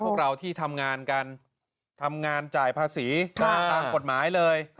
พวกเราที่ทำงานกันทำงานจ่ายภาษีตามกฎหมายเลย